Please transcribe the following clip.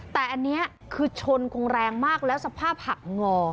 แต่อันนี้คือชนคงแรงมากแล้วสภาพหักงอ